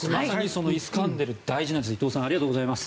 そのイスカンデルは大事なんです。